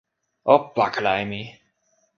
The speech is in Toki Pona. o pakala e mi.